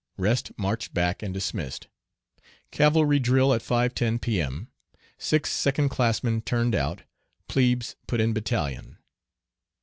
Rest marched back and dismissed. Cavalry drill at 5.10 P.M. Six second classmen turned out. Plebes put in battalion.